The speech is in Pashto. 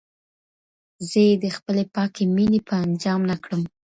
زه يې د خپلې پاکي مينې په انجام نه کړم,